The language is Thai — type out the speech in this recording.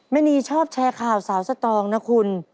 แม่นีชอบแชร์ข่าวสาวสตองนะคุณ